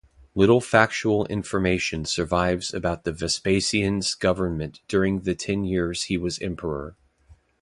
Little factual information survives about Vespasian's government during the ten years he was Emperor.